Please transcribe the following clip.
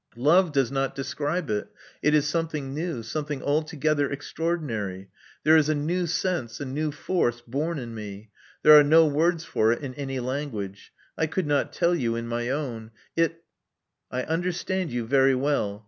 Love does not describe it: it is some thing new — something altogether extraordinary. There is a new sens^ — a new force, born in me. There are no words for it in any language: I could not tell you in my own. It I understand you very well.